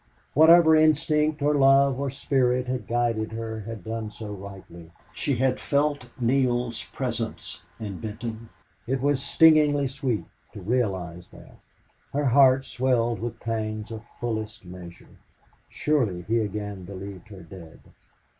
Whatever instinct or love or spirit had guided her had done so rightly. She had felt Neale's presence in Benton. It was stingingly sweet to realize that. Her heart swelled with pangs of fullest measure. Surely he again believed her dead.